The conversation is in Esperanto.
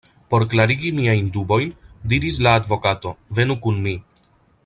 Por klarigi miajn dubojn, diris la advokato, venu kun mi.